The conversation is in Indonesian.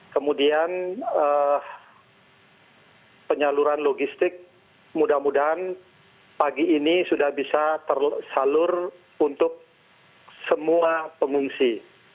kemudian penyaluran logistik mudah mudahan pagi ini sudah bisa tersalur untuk semua pengungsi